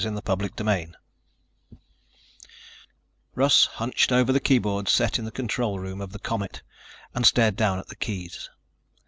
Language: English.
CHAPTER THREE Russ hunched over the keyboard set in the control room of the Comet and stared down at the keys.